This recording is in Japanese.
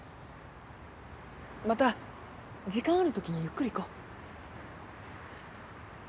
また時間ある時にゆっくり行こう。